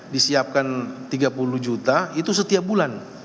disiapkan tiga puluh juta itu setiap bulan